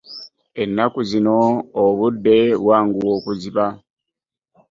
Ennaku zino obudde bwanguwa okuziba.